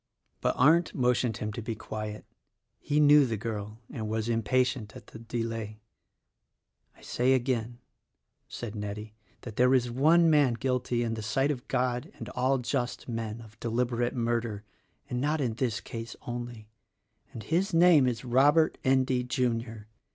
But Arndt motioned him to be quiet — he knew the girl and was impatient at the delay. "I say again," said Nettie, "that there is one man guilty in the sight of God and all just men of deliberate murder, and not in this case only; and his name is Robert Endy, Junior.